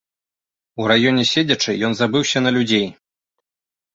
У раёне седзячы, ён забыўся на людзей.